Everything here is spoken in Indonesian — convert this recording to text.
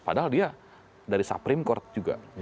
padahal dia dari supreme court juga